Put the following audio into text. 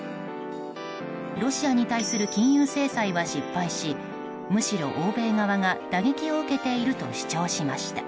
ロシアに対する金融制裁は失敗しむしろ欧米側が、打撃を受けていると主張しました。